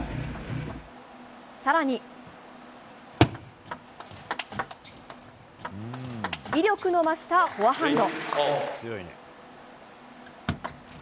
更に、威力の増したフォアハンド。